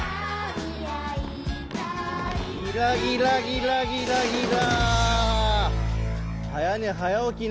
ギラギラギラギラギラギラ。